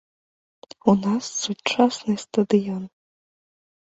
У нас сучасны стадыён.